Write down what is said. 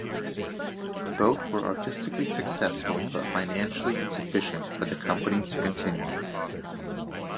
Both were artistically successful but financially insufficient for the company to continue.